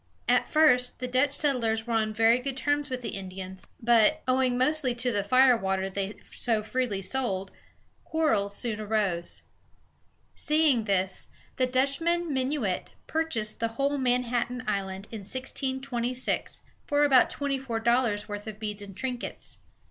At first, the Dutch settlers were on very good terms with the Indians; but, owing mostly to the fire water they so freely sold, quarrels soon arose. Seeing this, the Dutchman Min´u it purchased the whole of Manhattan Island, in 1626, for about twenty four dollars' worth of beads and trinkets.